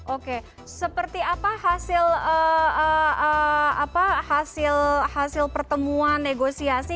oke seperti apa hasil pertemuan negosiasi